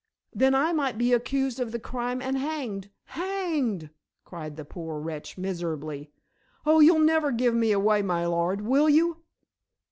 Then I might be accused of the crime and hanged. Hanged!" cried the poor wretch miserably. "Oh, you'll never give me away, my lord, will you."